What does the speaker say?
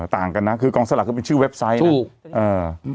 ต่างกันนะคือกองสลากเขาเป็นชื่อเว็บไซต์นะถูกเอ่อ